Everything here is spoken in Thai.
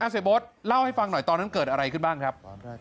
เสียโบ๊ทเล่าให้ฟังหน่อยตอนนั้นเกิดอะไรขึ้นบ้างครับ